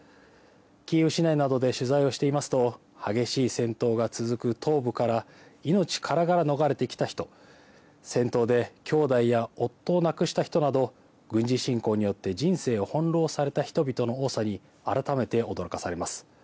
キーウ市内などで取材をしていますと、激しい戦闘が続く東部から、命からがら逃れてきた人、戦闘で兄弟や夫を亡くした人など、軍事侵攻によって人生を翻弄された人々の多さに改めて驚かされます。